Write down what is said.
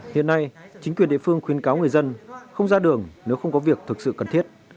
hiện nay chính quyền địa phương khuyến cáo người dân không ra đường nếu không có việc thực sự cần thiết